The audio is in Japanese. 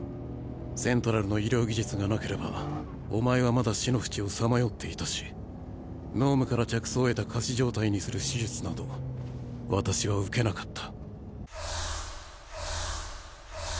セントラルの医療技術がなければおまえはまだ死の縁をさまよっていたし脳無から着想を得た仮死状態にする手術など私は受けなかった！